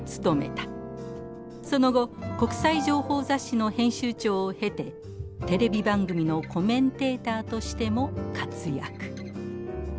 その後国際情報雑誌の編集長を経てテレビ番組のコメンテーターとしても活躍。